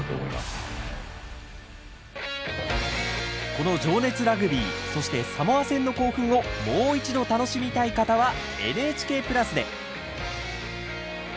この「情熱ラグビー」そして、サモア戦の興奮をもう一度楽しみたい方はＮＨＫプラスで。